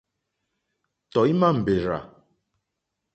Tɔ̀ímá mbèrzà.